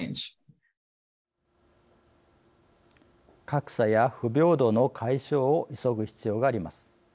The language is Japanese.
格差や不平等の解消を急ぐ必要があります。